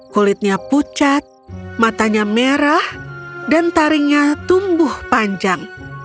kulitnya pucat matanya merah dan taringnya tumbuh panjang